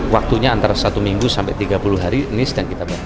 waktunya antara satu minggu sampai tiga puluh hari ini sedang kita bangun